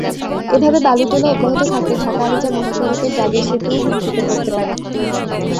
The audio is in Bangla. এভাবে বালু তোলা অব্যাহত থাকলে ঢাকা-আরিচা মহাসড়কের জাগীর সেতুও হুমকিতে পড়তে পারে।